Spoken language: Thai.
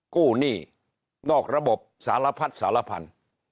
หนี้นอกระบบสารพัดสารพันธุ์